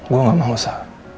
gue gak mau usha